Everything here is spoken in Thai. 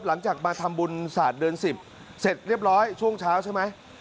หลังจากมาทำบุญศาสตร์เดือน๑๐เสร็จเรียบร้อยช่วงเช้าใช่ไหม